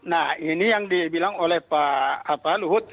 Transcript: nah ini yang dibilang oleh pak luhut